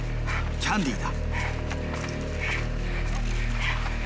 キャンディーだ。